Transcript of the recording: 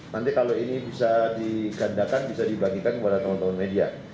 nanti kalau ini bisa digandakan bisa dibagikan kepada teman teman media